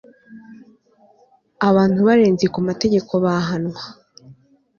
abantu barenze ku mategeko bahanwa